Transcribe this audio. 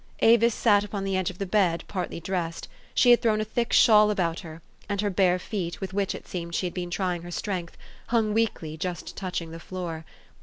Avis sat upon the edge of the bed, partly dressed : she had thrown a thick shawl about her, and her bare feet, with which, it seemed, she had been trying her strength, hung weakly, just touching the floor.